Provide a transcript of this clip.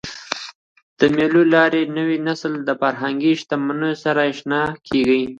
د مېلو له لاري نوی نسل له فرهنګي شتمنیو سره اشنا کېږي.